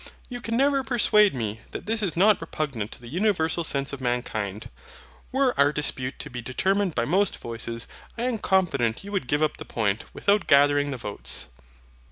You can never persuade me that this is not repugnant to the universal sense of mankind. Were our dispute to be determined by most voices, I am confident you would give up the point, without gathering the votes.